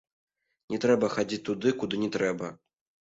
Не трэба хадзіць туды, куды не трэба.